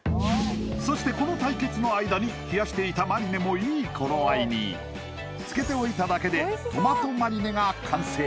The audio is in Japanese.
そしてこの対決の間に冷やしていたマリネもいい頃合いにつけておいただけでトマトマリネが完成！